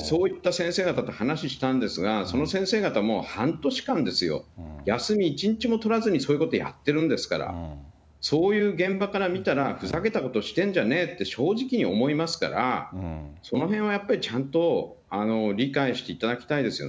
そういった先生方と話したんですが、その先生方も、半年間ですよ、休み１日も取らずにそういうことやってるんですから、そういう現場から見たら、ふざけたことしてんじゃねぇって、正直に思いますから、そのへんはやっぱり、ちゃんと理解していただきたいですよね。